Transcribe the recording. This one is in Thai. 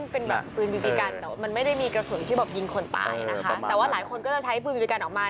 แต่ว่ามันไม่ได้มีกระสุนที่ยิงคนตายนะคะแต่ว่าหลายคนก็จะใช้ปืนบีบีกันออกมา